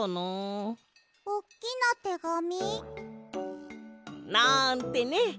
おっきなてがみ？なんてね！